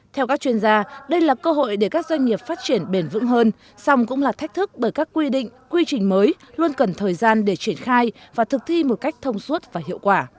theo các chuyên gia đây là cơ hội để các doanh nghiệp phát triển bền vững hơn xong cũng là thách thức bởi các quy định quy trình mới luôn cần thời gian để triển khai và thực thi một cách thông suốt và hiệu quả